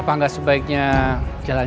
ya udah bagus juga father